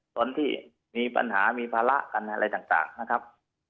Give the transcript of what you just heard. คนที่มีปัญหามีภาระกันอะไรต่างนะครับ